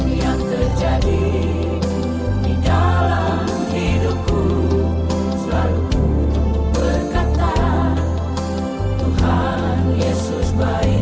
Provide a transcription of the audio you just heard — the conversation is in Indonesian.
dalam segala hal yang terjadi tetap ku berkata tuhan yesus baik